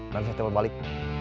nanti saya tepok balik